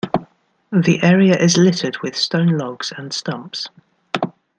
The area is littered with stone logs and stumps.